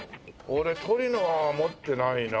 俺トリノは持ってないな。